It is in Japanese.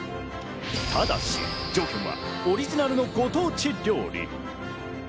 ただし条件はオリジナルのご当地料理。